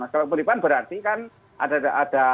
kemiripan berarti kan ada ada